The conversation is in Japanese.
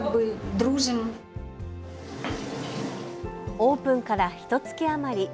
オープンからひとつき余り。